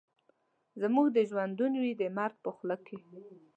زموږ دي ژوندون وي د مرګ په خوله کي